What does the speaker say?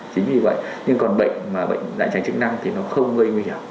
chính vì vậy nhưng còn bệnh mà bệnh đại tràng chức năng thì nó không gây nguy hiểm